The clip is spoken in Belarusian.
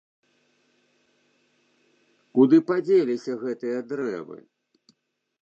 Куды падзеліся гэтыя дрэвы?